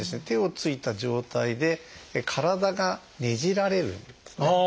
手をついた状態で体がねじられるんですね。